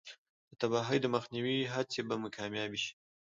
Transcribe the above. د تباهۍ د مخنیوي هڅې به کامیابې شي.